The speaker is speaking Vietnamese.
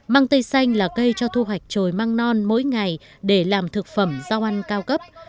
mang tây xanh là cây cho thu hoạch trồi măng non mỗi ngày để làm thực phẩm rau ăn cao cấp